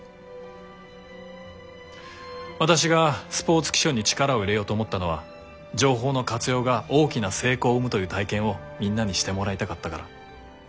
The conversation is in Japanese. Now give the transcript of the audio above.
私がスポーツ気象に力を入れようと思ったのは情報の活用が大きな成功を生むという体験をみんなにしてもらいたかったから。